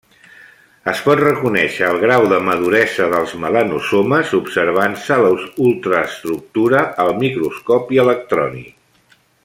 Es pot reconèixer el grau de maduresa dels melanosomes observant-se la ultraestructura al microscopi electrònic.